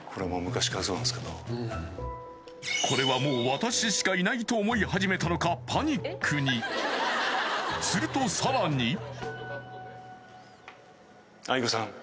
これはもう私しかいない！と思い始めたのかパニックにするとさらに！